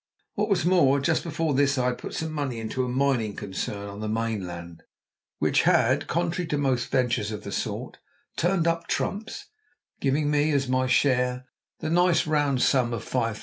What was more, just before this I had put some money into a mining concern on the mainland, which had, contrary to most ventures of the sort, turned up trumps, giving me as my share the nice round sum of £5,000.